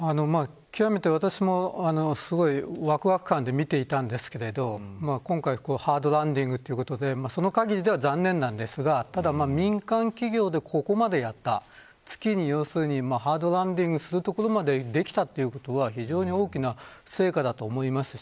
私もわくわく感を持って見ていましたが今回、ハードランディングということでその限りは残念ですがただ民間企業でここまでやった月にハードランディングするところまでできたということは非常に大きな成果だと思います。